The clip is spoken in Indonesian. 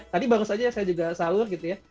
tadi baru saja saya juga sahur gitu ya